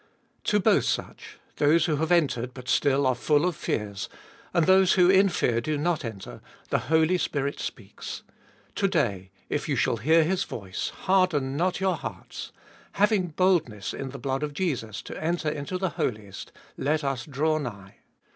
To both such, those who have entered but still are full of fears, and those who in fear do not enter, the Holy Spirit speaks— To day, if you shall hear His voice, harden not your hearts ; Having boldness in the blood of Jesus to enter into the Holiest, let us draw nigh.